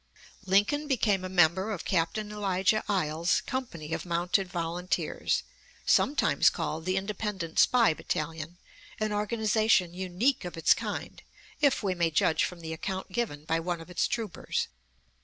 Lincoln became a member of Captain Elijah Iles's company of mounted volunteers, sometimes called the "Independent Spy Battalion," an organization unique of its kind, if we may judge from the account given by one of its troopers.